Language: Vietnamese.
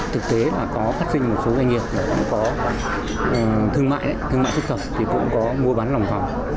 thực tế là có phát sinh một số doanh nghiệp có thương mại thương mại thực tập thì cũng có mua bán lòng thỏ